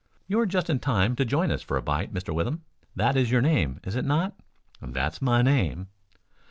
"You are just in time to join us for a bite, Mr. Withem. That is your name, is it not?" "That's my name."